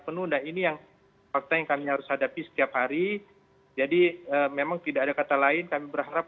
penuh nah ini yang fakta yang kami harus hadapi setiap hari jadi memang tidak ada kata lain kami berharap